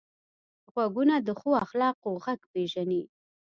غوږونه د ښو اخلاقو غږ پېژني